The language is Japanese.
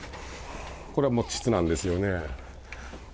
これはもう膣なんですよね。